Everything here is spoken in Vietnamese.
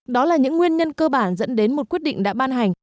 đó là những nguyên nhân cơ bản dẫn đến một quyết định đã ban hành